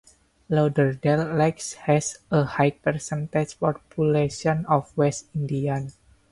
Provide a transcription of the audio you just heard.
Lauderdale Lakes has a high percentage population of West Indians.